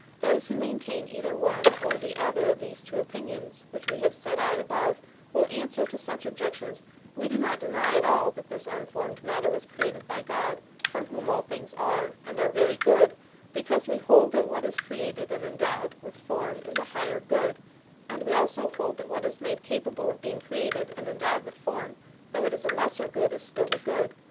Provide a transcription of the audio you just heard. '" Those who maintain either one or the other of these two opinions which we have set out above will answer to such objections: "We do not deny at all that this unformed matter was created by God, from whom all things are, and are very good because we hold that what is created and endowed with form is a higher good; and we also hold that what is made capable of being created and endowed with form, though it is a lesser good, is still a good.